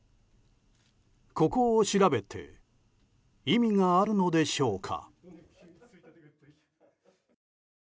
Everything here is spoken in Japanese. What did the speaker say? ここを調べて意味があるのでしょうか。